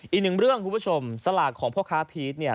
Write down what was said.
อีกหนึ่งเรื่องคุณผู้ชมสลากของพ่อค้าพีชเนี่ย